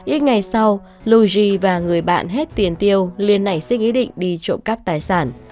ít ngày sau lu ji và người bạn hết tiến tiêu liên nảy xích ý định đi trộm cắp tài sản